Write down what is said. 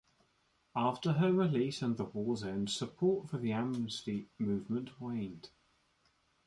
After her release and the war's end, support for the Amnesty movement waned.